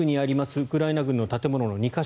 ウクライナ軍の建物２か所。